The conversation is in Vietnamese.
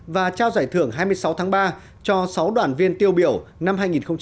và trao giải thưởng hai mươi sáu tháng ba cho sáu đoàn viên tiêu biểu năm hai nghìn hai mươi